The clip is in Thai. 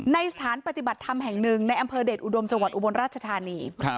สถานปฏิบัติธรรมแห่งหนึ่งในอำเภอเดชอุดมจังหวัดอุบลราชธานี